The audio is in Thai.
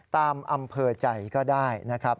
ตามอำเภอใจก็ได้นะครับ